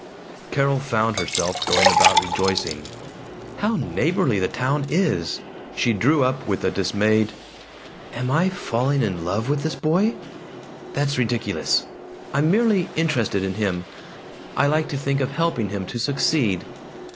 Carol found herself going about rejoicing, "How neighborly the town is!" She drew up with a dismayed "Am I falling in love with this boy? That's ridiculous! I'm merely interested in him. I like to think of helping him to succeed."